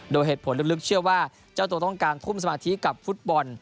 โดยเหตุผลลึกเชื่อว่าเจ้าตัวต้องการทุ่มสมาธิกับฟุตบอล